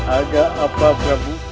ada apa prabu